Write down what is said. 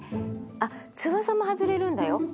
あっ翼も外れるんだよ。